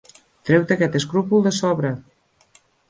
Treu-te aquest escrúpol de sobre!